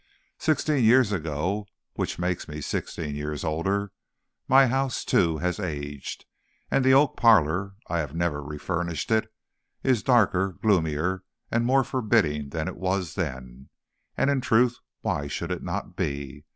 Sixteen years ago! which makes me sixteen years older. My house, too, has aged, and the oak parlor I never refurnished it is darker, gloomier, and more forbidding than it was then, and in truth, why should it not be?